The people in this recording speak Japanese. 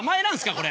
これ。